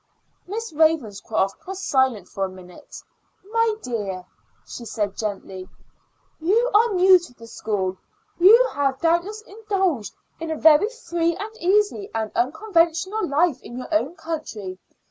Miss Ravenscroft was silent for a minute. "My dear," she said then gently, "you are new to the school. You have doubtless indulged in a very free and easy and unconventional life in your own country.